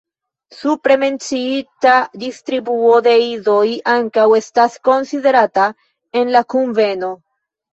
Supre menciita distribuo de idoj ankaŭ estas konsiderata en la kunveno.